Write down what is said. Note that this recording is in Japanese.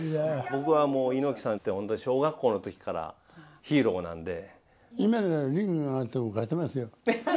僕はもう猪木さんって本当に小学校の時からヒーローなんで。